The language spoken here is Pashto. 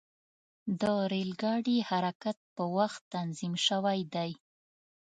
د ریل ګاډي حرکت په وخت تنظیم شوی دی.